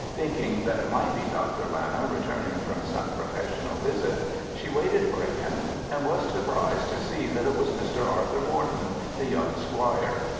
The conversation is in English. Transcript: Thinking that it might be Dr. Lana returning from some professional visit, she waited for him, and was surprised to see that it was Mr. Arthur Morton, the young squire.